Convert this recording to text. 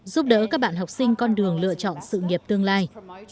giúp đỡ các bạn học sinh con đường lựa chọn sự nghiệp tương lai